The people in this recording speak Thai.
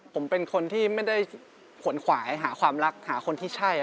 ผมเป็นคนที่ไม่ได้ขนขวายหาความรักหาคนที่ใช่